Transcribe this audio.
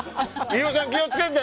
飯尾さん、気を付けて！